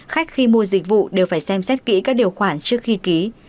khách khi mua dịch vụ đều phải xem xét kỹ các điều khoản trước khi ký